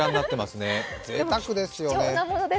ぜいたくですよね。